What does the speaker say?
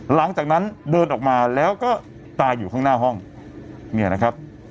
หลังจากนั้นเดินออกมาแล้วก็ตายอยู่ข้างหน้าห้องเนี่ยนะครับ